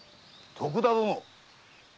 徳田殿。